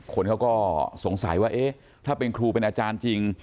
คนเขาก็สงสัยว่าเอ๊ะถ้าเป็นครูเป็นอาจารย์จริง